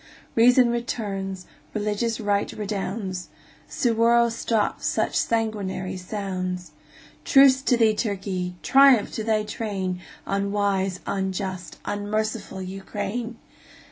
Reason returns, religious right redounds, Suwarrow stops such sanguinary sounds. Truce to thee, Turkey! Triumph to thy train, Unwise, unjust, unmerciful Ukraine!